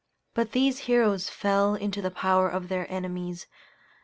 But these heroes fell into the power of their enemies.